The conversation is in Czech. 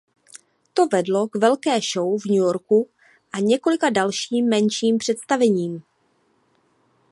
To vedlo k velké show v New Yorku a několika dalším menším představením.